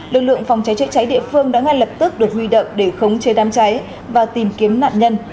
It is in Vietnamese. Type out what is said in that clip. lực lượng phòng cháy chữa cháy địa phương đã ngay lập tức được huy động để khống chế đám cháy và tìm kiếm nạn nhân